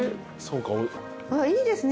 いいですね